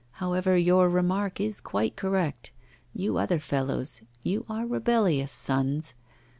However, your remark is quite correct; you other fellows, you are rebellious sons.